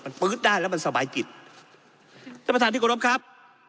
มันปื๊ดได้แล้วมันสบายจิตท่านประธานที่กรบครับ